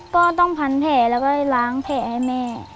ก็ต้องพันแผลแล้วก็ล้างแผลให้แม่